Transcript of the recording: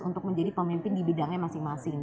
untuk menjadi pemimpin di bidangnya masing masing